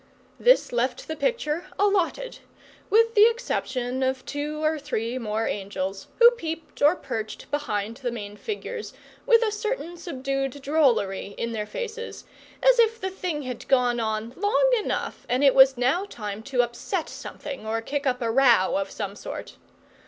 This left the picture allotted, with the exception of two or three more angels, who peeped or perched behind the main figures with a certain subdued drollery in their faces, as if the thing had gone on long enough, and it was now time to upset something or kick up a row of some sort.